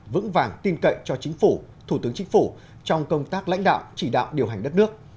vững vàng tin cậy cho chính phủ thủ tướng chính phủ trong công tác lãnh đạo chỉ đạo điều hành đất nước